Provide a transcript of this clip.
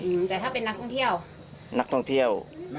เออแต่ถ้าเป็นนักท่องเที่ยว